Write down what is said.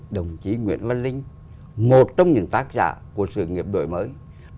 đồng chí nguyễn văn linh một trong những tác giả của sự nghiệp đổi mới